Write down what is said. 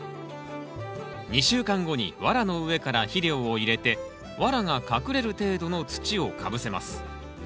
２週間後にワラの上から肥料を入れてワラが隠れる程度の土をかぶせます。